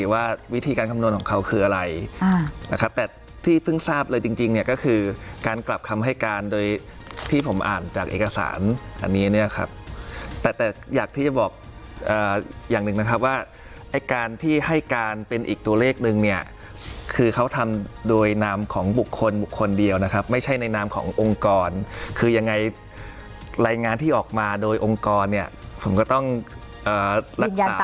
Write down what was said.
ว่าวิธีการคำนวณของเขาคืออะไรนะครับแต่ที่เพิ่งทราบเลยจริงเนี่ยก็คือการกลับคำให้การโดยที่ผมอ่านจากเอกสารอันนี้เนี่ยครับแต่แต่อยากที่จะบอกอย่างหนึ่งนะครับว่าไอ้การที่ให้การเป็นอีกตัวเลขนึงเนี่ยคือเขาทำโดยนามของบุคคลบุคคลเดียวนะครับไม่ใช่ในนามขององค์กรคือยังไงรายงานที่ออกมาโดยองค์กรเนี่ยผมก็ต้องรักษา